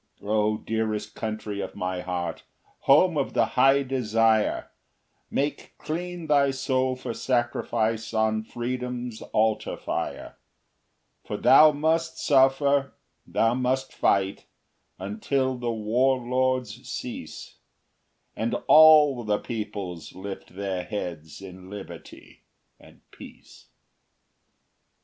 O dearest country of my heart, home of the high desire, Make clean thy soul for sacrifice on Freedom's altar fire; For thou must suffer, thou must fight, until the war lords cease, And all the peoples lift their heads in liberty and peace.